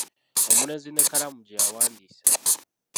Omulenzi n'ekkalaamu gye yawandiisa.